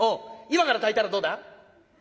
今から炊いたらどうだ」。